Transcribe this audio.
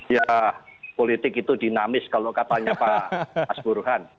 ya politik itu dinamis kalau katanya pak buruhan